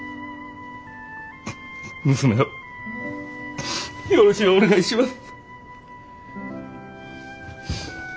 娘をよろしゅうお願いします。